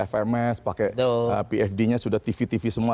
fms pakai pfd nya sudah tv tv semua